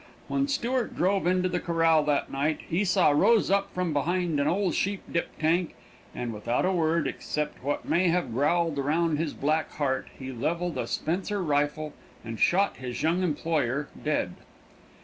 When Stewart drove into the corral that night, Esau rose up from behind an old sheep dip tank, and without a word except what may have growled around in his black heart, he leveled a Spencer rifle and shot his young employer dead.